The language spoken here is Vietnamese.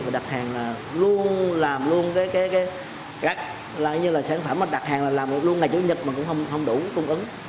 đặt hàng là luôn làm luôn cái cái là như là sản phẩm mà đặt hàng là làm luôn ngày chủ nhật mà cũng không đủ cung ứng